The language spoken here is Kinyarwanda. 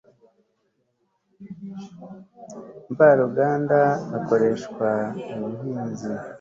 mvaruganda ukoreshwa mu buhinzi